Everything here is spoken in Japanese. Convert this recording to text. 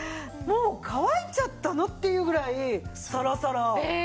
もう乾いちゃったの？っていうぐらいサラサラ。